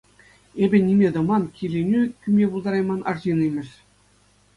Эпӗ ниме тӑман, киленӳ кӳме пултарайман арҫын имӗш.